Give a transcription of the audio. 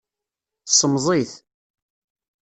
Ssemẓi-t.